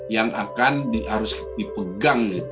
yang akan harus dipegang